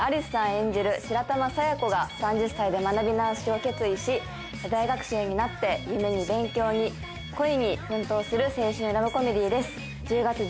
演じる白玉佐弥子が３０歳で学び直しを決意し大学生になって夢に勉強に恋に奮闘する青春ラブコメディーです